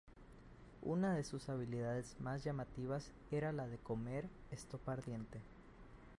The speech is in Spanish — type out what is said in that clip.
Una de sus habilidades más llamativas era la de "comer" estopa ardiente.